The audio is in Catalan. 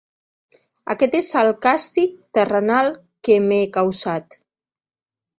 Aquest és el càstig terrenal que m'he causat.